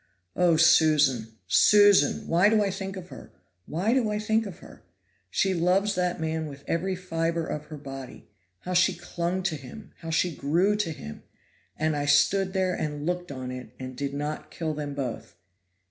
Oh, Susan! Susan! Why do I think of her? why do I think of her? She loves that man with every fiber of her body. How she clung to him! how she grew to him! And I stood there and looked on it, and did not kill them both.